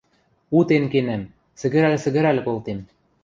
Утен кенӓм, сӹгӹрӓл-сӹгӹрӓл колтем.